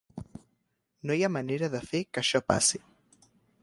No hi ha manera de fer que això passi.